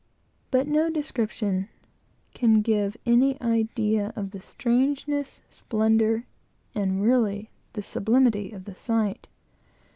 But no description can give any idea of the strangeness, splendor, and, really, the sublimity, of the sight.